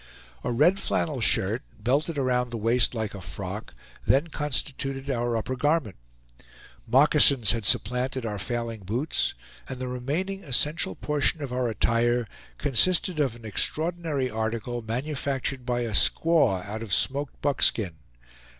A red flannel shirt, belted around the waist like a frock, then constituted our upper garment; moccasins had supplanted our failing boots; and the remaining essential portion of our attire consisted of an extraordinary article, manufactured by a squaw out of smoked buckskin.